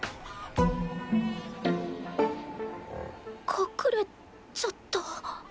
隠れちゃった。